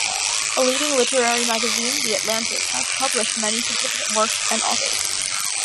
A leading literary magazine, "The Atlantic" has published many significant works and authors.